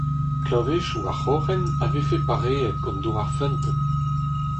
Kleñvedoù ar c'hroc'hen a vefe pareet gant dour ar feunteun.